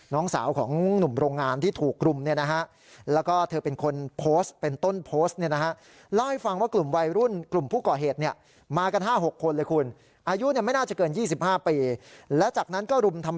น้องสาวของหนุ่มโรงงานที่ถูกรุม